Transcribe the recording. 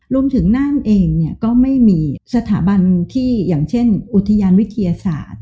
นั่นเองเนี่ยก็ไม่มีสถาบันที่อย่างเช่นอุทยานวิทยาศาสตร์